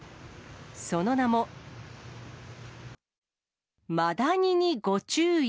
その名も、マダニにご注意！！